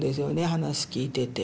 話聞いてて。